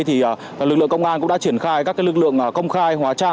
thì lực lượng công an cũng đã triển khai các lực lượng công khai hóa trang